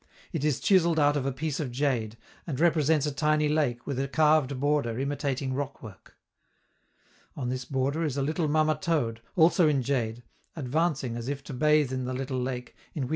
It is chiselled out of a piece of jade, and represents a tiny lake with a carved border imitating rockwork. On this border is a little mamma toad, also in jade, advancing as if to bathe in the little lake in which M.